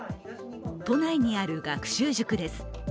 都内にある学習塾です。